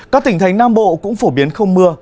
các tỉnh thành nam bộ cũng phổ biến không mưa